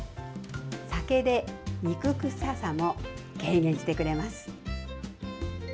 酒で肉臭さも軽減してくれます。